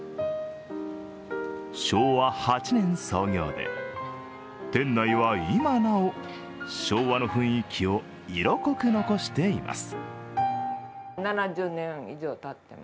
昭和８年創業で、店内は今なお昭和の雰囲気を色濃く残しています。